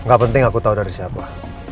gak penting aku tahu dari siapa